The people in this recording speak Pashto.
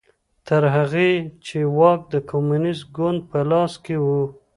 تر هغې چې واک د کمونېست ګوند په لاس کې و